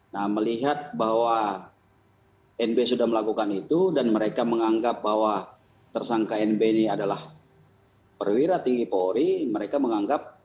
nah melihat bahwa nb sudah melakukan itu dan mereka menganggap bahwa tersangka nb ini adalah perwira tinggi polri mereka menganggap